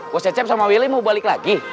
co cecep sama willy mau balik lagi